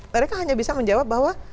mereka hanya bisa menjawab bahwa